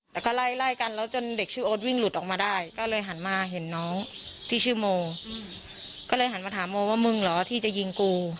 แล้วก็ไล่ไล่กันแล้วจนเด็กชื่อโอ๊ตวิ่งหลุดออกมาได้ก็เลยหันมาเห็นน้องที่ชื่อโมก็เลยหันมาถามโมว่ามึงเหรอที่จะยิงกู